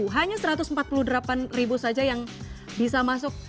hanya satu ratus empat puluh delapan ribu saja yang bisa masuk